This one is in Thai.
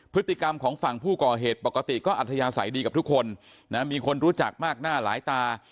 พฤติกรรมของฝั่งผู้ก่อเหตุปกติก็อัธยาศัยดีกับทุกคนนะมีคนรู้จักมากหน้าหลายตา